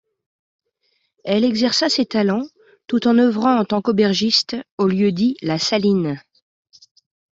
Elle exerça ses talents tout en œuvrant en tant qu'aubergiste au lieu-dit La Saline.